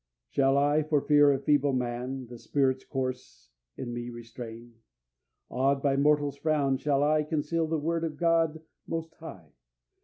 "Shall I, for fear of feeble man, The Spirit's course in me restrain? Awed by a mortal's frown, shall I Conceal the word of God most high?